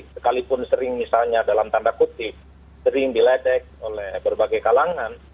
sekalipun sering misalnya dalam tanda kutip sering diledek oleh berbagai kalangan